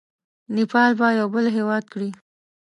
نیپال به یو بېل هیواد کړي.